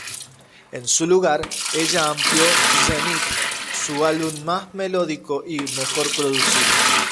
En su lugar, ella amplio "Zenith", su álbum más melódico y mejor producido.